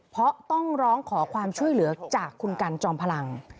เพราะต้องร้องขอความช่วยเหลือจากคุณกันจอมพลัง